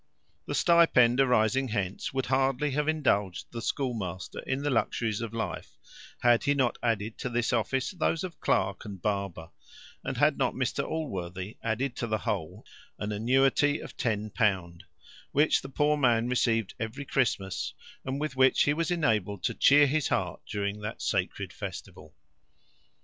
The stipend arising hence would hardly have indulged the schoolmaster in the luxuries of life, had he not added to this office those of clerk and barber, and had not Mr Allworthy added to the whole an annuity of ten pounds, which the poor man received every Christmas, and with which he was enabled to cheer his heart during that sacred festival.